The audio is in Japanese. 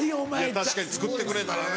確かに作ってくれたらね。